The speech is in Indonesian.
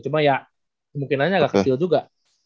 cuma ya kemungkinannya agak kecil juga